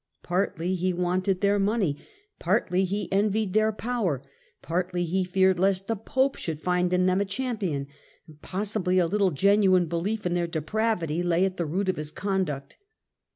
Partly he wanted their money, partly he envied their power, partly he feared lest the Pope should find in them a champion, possibly a little genuine beUef in their depravity lay at the root of his conduct.